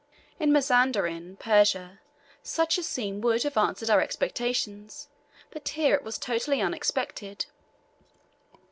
In Mazanderan, Persia, such a scene would have answered our expectations, but here it was totally unexpected.